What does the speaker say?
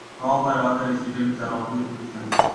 However, other residents are opposed to the change.